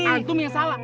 antum yang salah